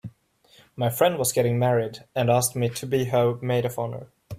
My friend was getting married and asked me to be her maid of honor.